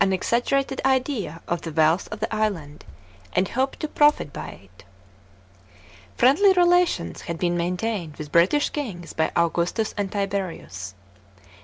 260 THE CONQUEST OF BRITAIN CHAP. xvi. aggerated idea of the wealth of the island, and hoped to profit by it. Friendly relations had been maintained with British kings by Augustus and Tiberius.